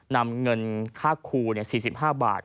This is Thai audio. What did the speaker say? นำเงินค่าครู๔๕บาท